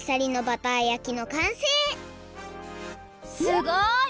すごい！